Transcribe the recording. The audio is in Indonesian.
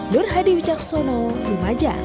durhadi wijaksono lumajang